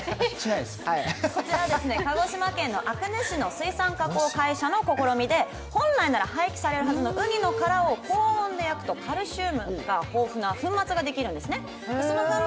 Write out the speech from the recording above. こちらは鹿児島県阿久根市の水産高校の試みで、本来なら廃棄されるはずの、うにの殻を高温で焼くとカルシウムが豊富な粉末ができるんですね。